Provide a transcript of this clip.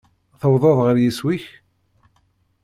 Tewwḍeḍ ɣer yiswi-k?